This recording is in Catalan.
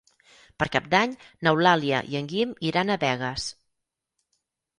Per Cap d'Any n'Eulàlia i en Guim iran a Begues.